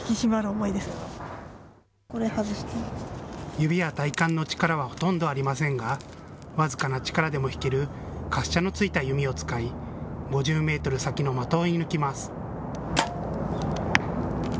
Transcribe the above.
指や体幹の力はほとんどありませんが僅かな力でも引ける滑車のついた弓を使い５０メートル先の的を射ぬきます。